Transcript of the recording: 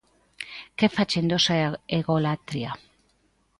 Que fachendosa é a egolatría!